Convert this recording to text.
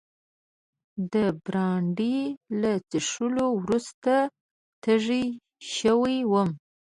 د برانډي له څښلو وروسته تږی شوی وم.